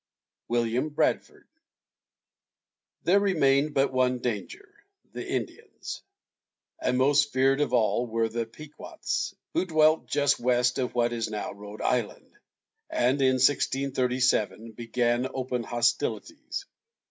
WILLIAM BRADFORD. There remained but one danger, the Indians; and most feared of all were the Pequots, who dwelt just west of what is now Rhode Island, and in 1637 began open hostilities.